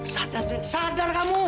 sadar sadar kamu